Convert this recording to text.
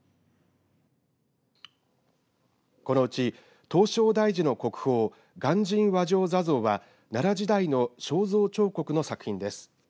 このうち、唐招提寺の国宝鑑真和上坐像は奈良時代の肖像彫刻の作品です。